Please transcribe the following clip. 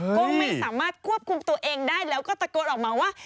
ก็ไม่สามารถควบคุมตัวเองได้แล้วก็ตะโกนออกมาว่า